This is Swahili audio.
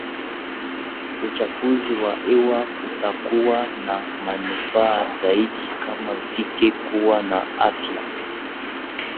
uchafuzi wa hewa kutakuwa na manufaa zaidi kama vike kuwa na afya